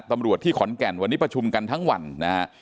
ตำรวจที่ขอนแก่นวันนี้ประชุมกันทั้งวันนะฮะ